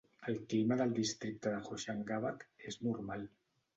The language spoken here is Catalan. El clima del districte de Hoshangabad és normal.